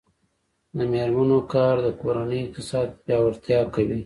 د میرمنو کار د کورنۍ اقتصاد پیاوړتیا کوي.